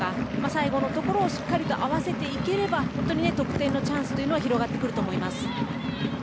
最後のところをしっかり合わせていければ得点のチャンスは広がってくると思います。